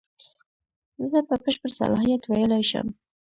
زه په بشپړ صلاحیت ویلای شم.